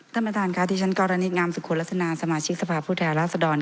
ท่านประธานค่ะดิฉันกรณิตงามสุขุนลักษณะสมาชิกสภาพผู้แทนรัฐสดร